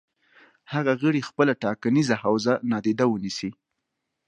هغه غړي خپله ټاکنیزه حوزه نادیده ونیسي.